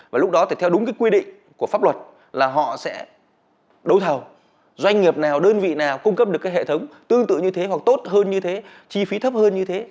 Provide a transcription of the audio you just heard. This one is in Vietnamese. và lúc đó thì theo đúng cái quy định của pháp luật là họ sẽ đấu thầu doanh nghiệp nào đơn vị nào cung cấp được cái hệ thống tương tự như thế hoặc tốt hơn như thế chi phí thấp hơn như thế